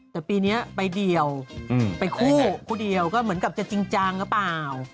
แต่ปีนี้ไปเดียวไปคู่คู่เดียวก็เหมือนกับจะจริงจังหรือเปล่า